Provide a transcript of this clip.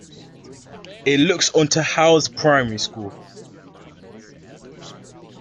It looks onto Howes primary school.